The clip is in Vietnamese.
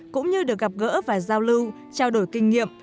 cũng như được gặp gỡ và giao lưu trao đổi kinh nghiệm